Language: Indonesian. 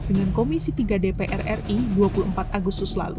dengan komisi tiga dpr ri dua puluh empat agustus lalu